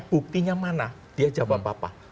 buktinya mana dia jawab bapak